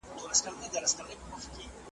له ټوخي یې په عذاب کلی او کور وو